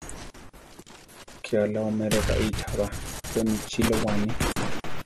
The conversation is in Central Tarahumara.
Ke alá oméro raícha ba, pemi chilówa ani.